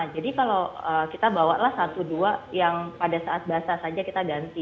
jadi kalau kita bawa lah satu dua yang pada saat basah saja kita ganti